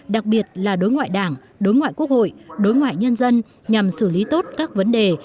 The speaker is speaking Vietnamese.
đặc biệt là đối ngoại đảng đối ngoại quốc hội đối ngoại nhân dân nhằm xử lý tốt các vấn đề